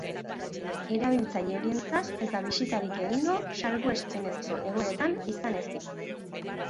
Erabiltzaile horientzat ez da bisitarik egingo, salbuespenezko egoeretan izan ezik.